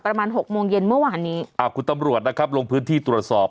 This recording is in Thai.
หกโมงเย็นเมื่อวานนี้อ่าคุณตำรวจนะครับลงพื้นที่ตรวจสอบ